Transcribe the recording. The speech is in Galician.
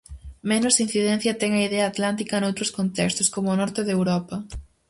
Menos incidencia ten a idea atlántica noutros contextos, como o Norte de Europa.